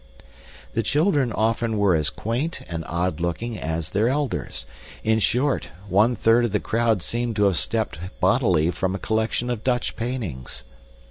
The children often were as quaint and odd looking as their elders. In short, one third of the crowd seemed to have stepped bodily from a collection of Dutch paintings.